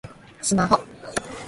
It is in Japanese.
スマホ